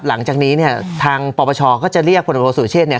หลังจากนี้เนี่ยทางปปชก็จะเรียกผลโทษสุเชษเนี่ย